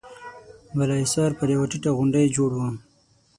بالا حصار پر يوه ټيټه غونډۍ جوړ و.